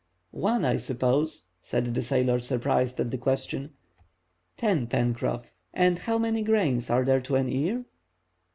"One, I suppose," said the sailor, surprised at the question. "Ten, Pencroff. And how many grains are there to an ear?"